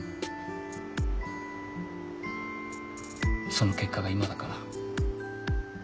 その結果が今だから。